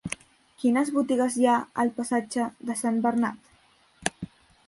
Quines botigues hi ha al passatge de Sant Bernat?